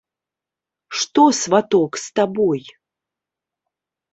Што, сваток, з табой?